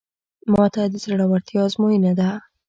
ماته د زړورتیا ازموینه ده.